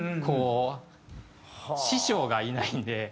こう師匠がいないんで。